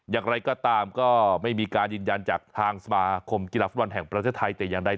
อย่างไรก็ตามก็ไม่มีการยืนยันจากทางสมาคมกีฬาฟุตบอลแห่งประเทศไทยแต่อย่างใด